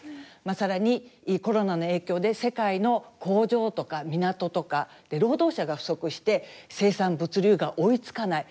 更にコロナの影響で世界の工場とか港とかで労働者が不足して生産物流が追いつかない。